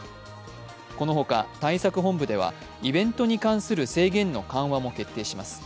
このほか、対策本部ではイベントに関する制限の緩和も決定します。